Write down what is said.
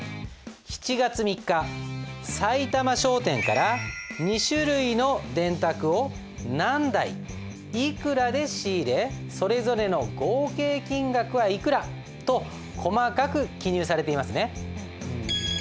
７月３日埼玉商店から２種類の電卓を何台いくらで仕入れそれぞれの合計金額はいくらと細かく記入されていますね。